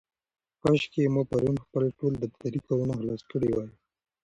کاشکې ما پرون خپل ټول دفترې کارونه خلاص کړي وای.